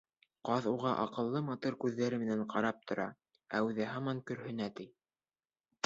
Ҡаҙ уға аҡыллы, матур күҙҙәре менән ҡарап тора, ә үҙе һаман көрһөнә, ти.